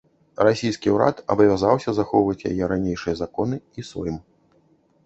Расійскі ўрад абавязаўся захоўваць яе ранейшыя законы і сойм.